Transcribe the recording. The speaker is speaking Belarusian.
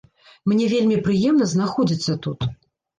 Мне вельмі прыемна знаходзіцца тут.